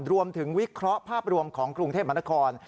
วิเคราะห์ภาพรวมของกรุงเทพมนคร